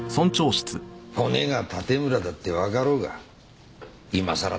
骨が盾村だってわかろうが今さら